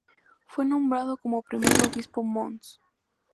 Fue nombrado como primer obispo mons.